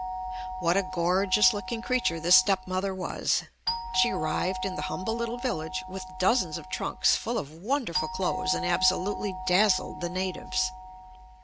What a gorgeous looking creature this step mother was. She arrived in the humble little village with dozens of trunks full of wonderful clothes and absolutely dazzled the natives.